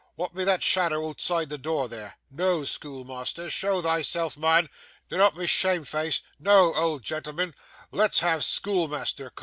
Wa'at be that shadow ootside door there? Noo, schoolmeasther, show thyself, mun; dinnot be sheame feaced. Noo, auld gen'l'man, let's have schoolmeasther, coom.